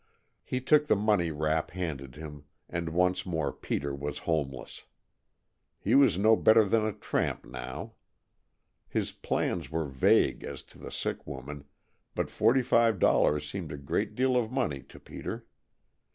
He took the money Rapp handed him and once more Peter was homeless. He was no better than a tramp now. His plans were vague as to the sick woman, but forty five dollars seemed a great deal of money to Peter.